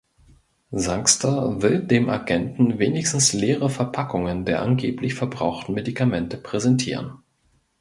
Sangster will dem Agenten wenigstens leere Verpackungen der angeblich verbrauchten Medikamente präsentieren.